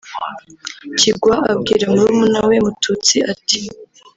Kigwa abwira murumuna we Mututsi ati